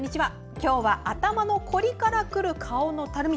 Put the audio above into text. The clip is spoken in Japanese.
今日は頭の凝りからくる顔のたるみ。